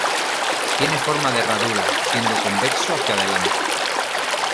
Tiene forma de herradura, siendo convexo hacia delante.